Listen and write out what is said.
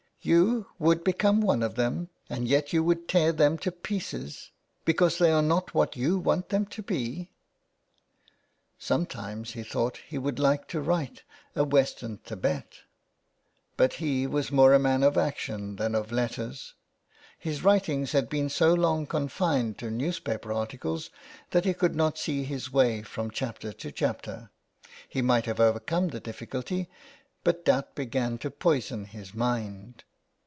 " You would become one of them and yet you would tear them to pieces because they are not what you want them to be." Sometimes he thought he would like to write "A Western Thibet," but he was more a man of action than of letters. His writings had been so long confined to newspaper articles that he could not see his way from chapter to chapter. He might have overcome the difficulty, but doubt began to poison his mind.